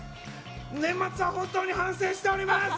年末は本当に反省しております。